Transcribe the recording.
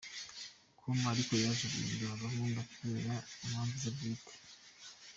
com ariko yaje guhindura gahunda kubera impamvu ze bwite.